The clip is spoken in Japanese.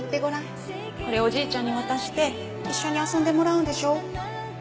これおじいちゃんに渡して一緒に遊んでもらうんでしょ？